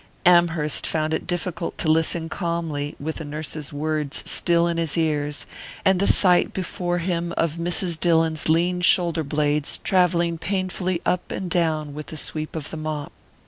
Amherst found it difficult to listen calmly, with the nurse's words still in his ears, and the sight before him of Mrs. Dillon's lean shoulder blades travelling painfully up and down with the sweep of the mop.